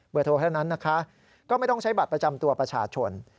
โทรเท่านั้นนะคะก็ไม่ต้องใช้บัตรประจำตัวประชาชน